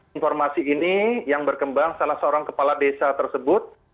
informasi ini yang berkembang salah seorang kepala desa tersebut